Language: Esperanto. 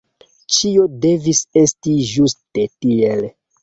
Ĉio devis esti ĝuste tiel.